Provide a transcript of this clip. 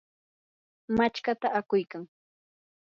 machkata akuykan.